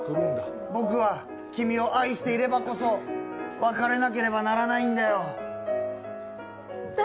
僕は君を愛していればこそ別れなければならないんだよ。